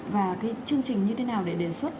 và chương trình như thế nào để đề xuất